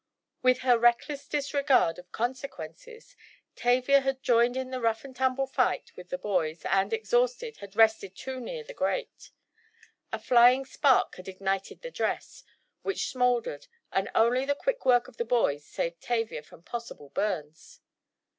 With her reckless disregard of consequences, Tavia had joined in the rough and tumble fight with the boys, and, exhausted, had rested too near the grate. A flying spark had ignited the dress, which smouldered, and only the quick work of the boys saved Tavia from possible burns.